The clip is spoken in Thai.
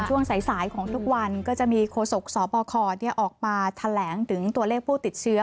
ช่วงสายของทุกวันก็จะมีโคศกสบคออกมาแถลงถึงตัวเลขผู้ติดเชื้อ